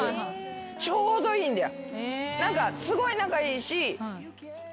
ちょうどいいんだよ。